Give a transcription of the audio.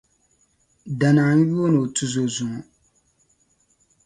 Danaa n-yooni o tuzo zuŋo.